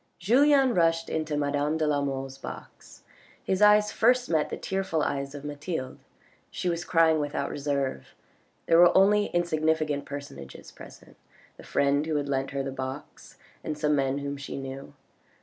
Julien rushed into madame de la Mole's box. His eyes first met the tearful eyes of Mathilde ; she was crying without reserve. There were only insignificant personages present, the friend who had leant her box, and some men whom she knew.